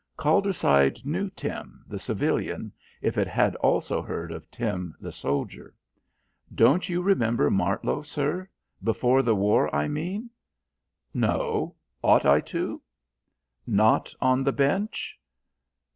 Calderside knew Tim, the civilian, if it had also heard of Tim, the soldier. "Don't you remember Martlow, sir? Before the war, I mean." "No. Ought I to?" "Not on the bench?"